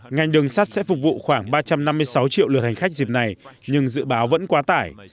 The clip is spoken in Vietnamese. ngành đường sắt sẽ phục vụ khoảng ba trăm năm mươi sáu triệu lượt hành khách dịp này nhưng dự báo vẫn quá tải